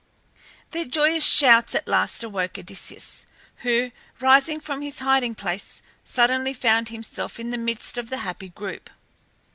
Their joyous shouts at last awoke Odysseus, who, rising from his hiding place, suddenly found himself in the midst of the happy group.